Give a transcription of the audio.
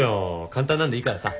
簡単なんでいいからさ。